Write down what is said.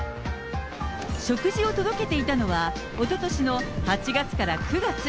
食事を届けていたのは、おととしの８月から９月。